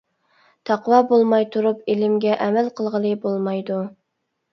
تەقۋا بولماي تۇرۇپ ئىلىمگە ئەمەل قىلغىلى بولمايدۇ.